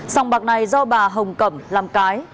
sòng bạc này do bà hồng cẩm làm cái